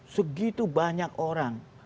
segitu banyak orang